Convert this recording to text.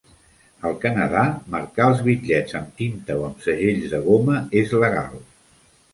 Al Canadà, marcar els bitllets amb tinta o amb segells de goma és legal.